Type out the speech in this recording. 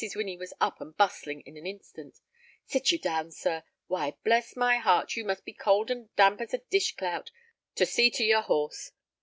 Winnie was up and bustling in an instant. "Sit you down, sir. Why, bless my heart, you must be cold and damp as a dish clout! I'll fetch Chris down to see to your horse."